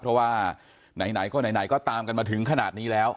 เพราะว่าไหนก็ไหนก็ตามกันมาถึงขนาดนี้แล้ว